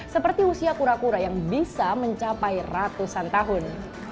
seperti usia kura kura yang bisa mencapai ratusan tahun